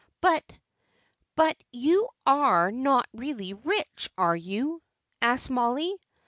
"But but you are not really rich, are you?" asked Mollie.